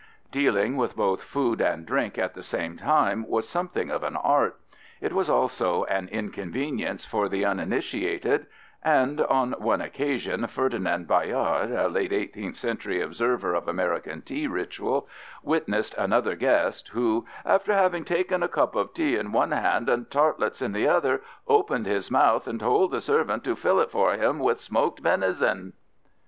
Dealing with both food and drink at the same time was something of an art. It was also an inconvenience for the uninitiated, and on one occasion Ferdinand Bayard, a late 18th century observer of American tea ritual, witnessed another guest who, "after having taken a cup [of tea] in one hand and tartlets in the other, opened his mouth and told the servant to fill it for him with smoked venison!"